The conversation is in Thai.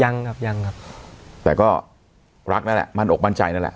ยังครับยังครับแต่ก็รักนั่นแหละมั่นอกมั่นใจนั่นแหละ